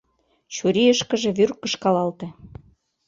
Чурийышкыже вӱр кышкалалте.